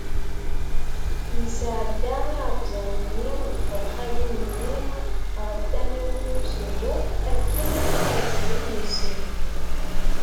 Isɛedda iɛekkzan-nni di txelxalin-nni ɣef tamiwin n usenduq, akken ad t-refden yes-sen.